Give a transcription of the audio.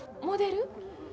モデル？